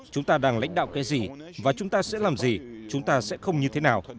chúng ta đang lãnh đạo cái gì và chúng ta sẽ làm gì chúng ta sẽ không như thế nào